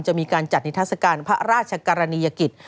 จะมีการจัดนิทัศกาลพระราชกรณียกิจ